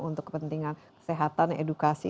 untuk kepentingan kesehatan edukasi